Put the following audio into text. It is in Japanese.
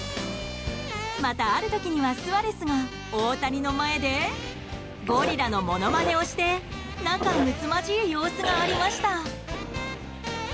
またある時にはスアレスが大谷の前でゴリラのものまねをして仲睦まじい様子がありました。